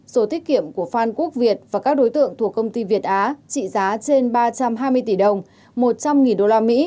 số tiết kiệm của phan quốc việt và các đối tượng thuộc công ty việt á trị giá trên ba trăm hai mươi tỷ đồng một trăm linh usd